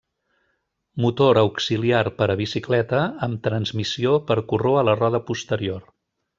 Motor auxiliar per a bicicleta amb transmissió per corró a la roda posterior.